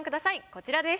こちらです。